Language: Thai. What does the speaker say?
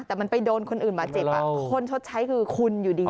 แต่มันไปโดนคนอื่นบาดเจ็บคนชดใช้คือคุณอยู่ดี